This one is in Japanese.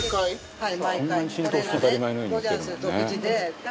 はい。